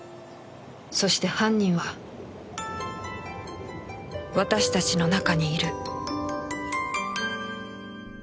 そして犯人は私たちの中にいる